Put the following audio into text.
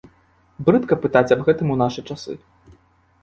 Брыдка пытаць аб гэтым у нашы часы.